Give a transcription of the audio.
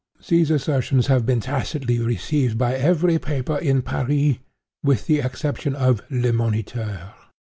"These assertions have been tacitly received by every paper in Paris, with the exception of Le Moniteur.